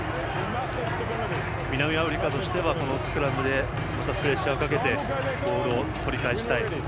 南アフリカとしてはこのスクラムでまたプレッシャーをかけてボールを取り返したい。